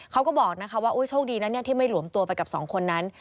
เขาก็บอกนะคะว่าโชคดีนะที่ไม่หลวมตัวไปกับสองคนนั้น